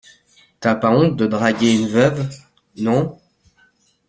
T’as pas honte de draguer une veuve, non ?